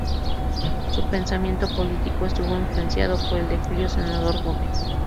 Su pensamiento político estuvo influenciado por el de Julio Senador Gómez.